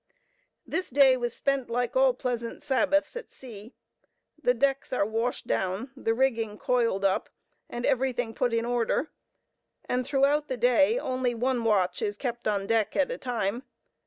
This day was spent like all pleasant Sabbaths at sea. The decks are washed down, the rigging coiled up, and everything put in order; and throughout the day, only one watch is kept on deck at a time.